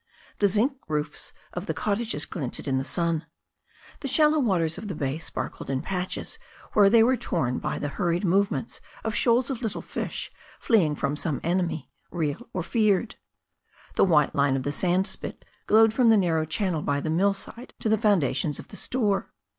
The zinc roofs of the cottages glinted in the sun. The shallow waters of the bay 425 426 THE STORY OF A NEW ZEALAND RIVEB sparked in patches where they were torn by the hurried movements of shoals of little fish fleeing from some enemy, real or feared. The white line of the sandspit glowed from the narrow channel by the mill side to the foundations of the store.